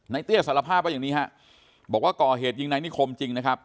เตี้ยสารภาพว่าอย่างนี้ฮะบอกว่าก่อเหตุยิงนายนิคมจริงนะครับ